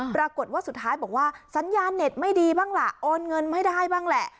ปรากฏว่าสุดท้ายบอกว่าสัญญาเน็ตไม่ดีบ้างล่ะโอนเงินไม่ได้บ้างแหละ